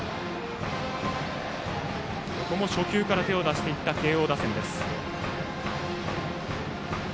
ここも初球から手を出していった慶応打線です。